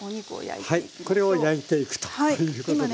これを焼いていくということですが。